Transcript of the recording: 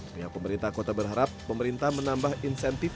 pihak pemerintah kota berharap pemerintah menambah insentif